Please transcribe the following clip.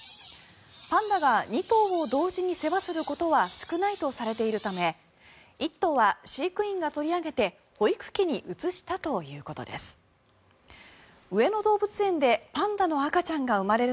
パンダが２頭を同時に世話することは少ないとされているため１頭は飼育員が取り上げて保育器に移したということです。